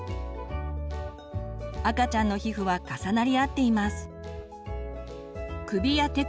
赤ちゃんの皮膚は重なり合っています。